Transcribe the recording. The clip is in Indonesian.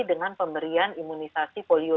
dengan pemberian imunisasi polio